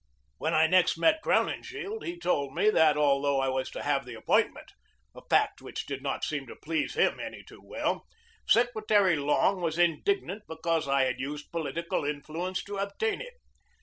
When I next met Crowninshield he told me that, although I was to have the appointment a fact which did not seem to please him any too well Secretary Long was indignant because I had used political influence to obtain it.